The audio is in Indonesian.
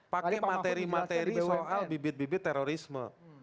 pakai materi materi soal bibit bibit terorisme